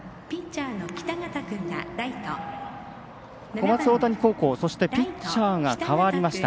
小松大谷高校そしてピッチャーが代わりました。